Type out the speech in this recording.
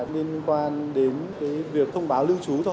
nên quan đến việc thông báo lưu trú